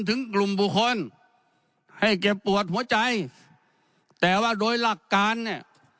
ถึงกลุ่มบุคคลให้แกปวดหัวใจแต่ว่าโดยหลักการเนี่ย